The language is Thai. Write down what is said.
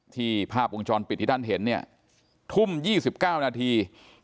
ภาพวงจรปิดที่ท่านเห็นเนี่ยทุ่ม๒๙นาที